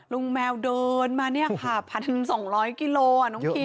รุงแมวเดินมาเนี่ยะค่ะ๑๒๐๐กิโลอ่ะน้องคิง